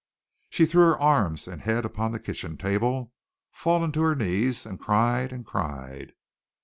She threw her arms and head upon the kitchen table, falling to her knees, and cried and cried.